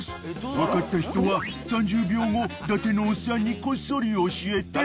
［分かった人は３０秒後伊達のおっさんにこっそり教えて］